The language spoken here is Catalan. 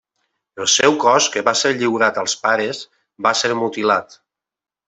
El seu cos, que va ser lliurat als pares, va ser mutilat.